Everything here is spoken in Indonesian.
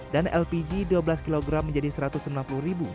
dan lpg dua belas kg menjadi rp satu ratus sembilan puluh